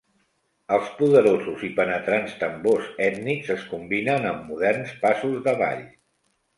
Els poderosos i penetrants tambors ètnics es combinen amb moderns passos de ball.